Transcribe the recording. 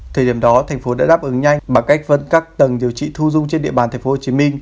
thời điểm đó thành phố đã đáp ứng nhanh bằng cách vận các tầng điều trị thu dung trên địa bàn tp hcm